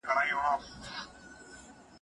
موږ د مرګ لپاره خدای یو پیدا کړي